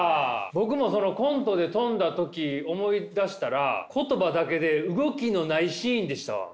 僕もそのコントで飛んだ時思い出したら言葉だけで動きのないシーンでしたわ。